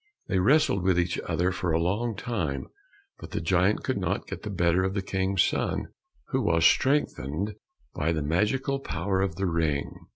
They wrestled with each other for a long time, but the giant could not get the better of the King's son, who was strengthened by the magical power of the ring.